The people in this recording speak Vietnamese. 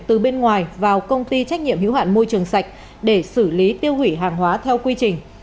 từ bên ngoài vào công ty trách nhiệm hữu hạn môi trường sạch để xử lý tiêu hủy hàng hóa theo quy trình